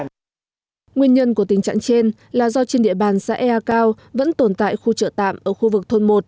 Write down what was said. nguyên nhân của tình trạng trên là do trên địa bàn xã ea cao vẫn tồn tại khu chợ tạm ở khu vực thôn một